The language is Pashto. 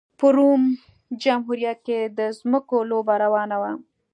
په روم جمهوریت کې د ځمکو لوبه روانه وه